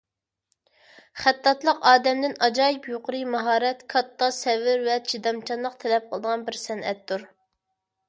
خەتتاتلىق ئادەمدىن ئاجايىپ يۇقىرى ماھارەت، كاتتا سەۋر ۋە چىدامچانلىق تەلەپ قىلىدىغان بىر سەنئەتتۇر.